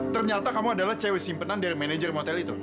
ternyata kamu adalah cewek simpenan dari manajer hotel itu